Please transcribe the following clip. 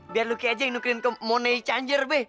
biar lucky aja yang nukerin ke money changer be